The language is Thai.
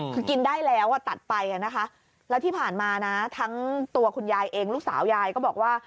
คือกินได้แล้วตัดไปนะคะแล้วที่ผ่านมานะทั้งตัวคุณยายเองลูกสาวยายก็บอกว่า